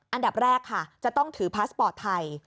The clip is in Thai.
อันดับแรกค่ะจะต้องถือพาสปอร์ตไทย